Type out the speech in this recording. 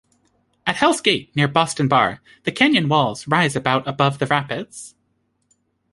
At Hells Gate, near Boston Bar, the canyon walls rise about above the rapids.